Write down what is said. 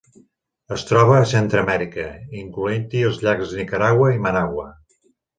Es troba a Centreamèrica, incloent-hi els llacs Nicaragua i Managua.